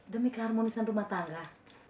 demi keharmonisan rumah tangga